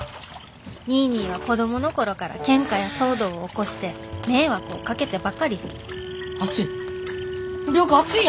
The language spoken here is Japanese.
ニーニーは子供の頃からケンカや騒動を起こして迷惑をかけてばかり熱い！